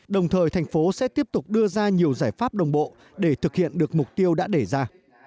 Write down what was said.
đồng thời thành phố sẽ tiếp tục đưa ra nhiều giải pháp đồng bộ để thực hiện được mục tiêu đã để ra